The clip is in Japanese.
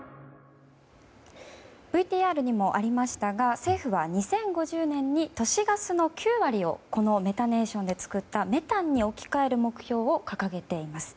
ＶＴＲにもありましたが政府は２０５０年に都市ガスの９割をこのメタネーションで作ったメタンに置き換える目標を掲げています。